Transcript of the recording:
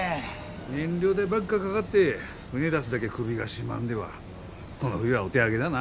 燃料代ばっかかがって船出すだげ首が絞まんではこの冬はお手上げだな。